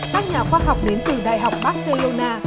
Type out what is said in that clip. các nhà khoa học đến từ đại học barcelona